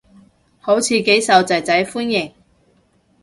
好似幾受囝仔歡迎